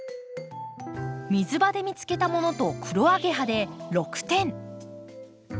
水場で見つけたものとクロアゲハで６点。